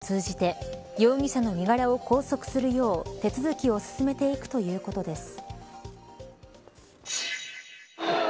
今後、日本側は警察庁や外務省を通じて容疑者の身柄を拘束するよう手続きを進めていくということです。